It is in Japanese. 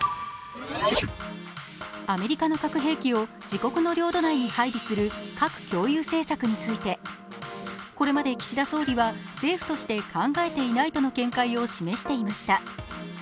アメリカの核兵器を自国の領土内に配備する核共有政策についてこれまで岸田総理は政府として考えていないとの見解を示していました。